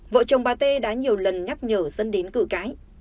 vợ chồng bà t đã nhiều lần nhắc nhở dân đến cử cái